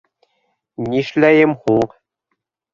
Нишләйем һуң?!